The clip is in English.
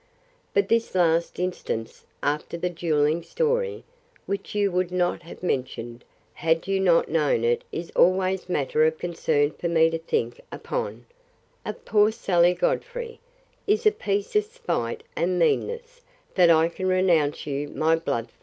But this last instance, after the duelling story (which you would not have mentioned, had you not known it is always matter of concern for me to think upon), of poor Sally Godfrey, is a piece of spite and meanness, that I can renounce you my blood for.